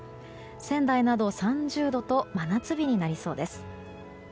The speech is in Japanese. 仙台など３０度と真夏日になりそうです。